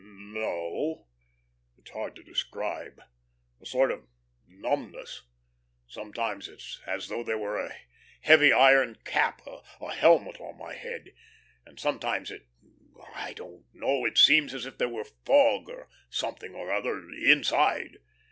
"A headache?" "N no. It's hard to describe. A sort of numbness. Sometimes it's as though there was a heavy iron cap a helmet on my head. And sometimes it I don't know it seems as if there were fog, or something or other, inside.